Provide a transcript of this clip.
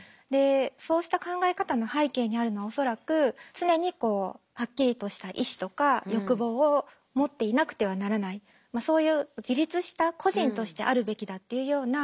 そうした考え方の背景にあるのは恐らく常にはっきりとした意思とか欲望を持っていなくてはならないそういう自立した個人としてあるべきだっていうような。